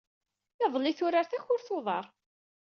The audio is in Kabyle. Iḍelli, turar takurt n uḍar.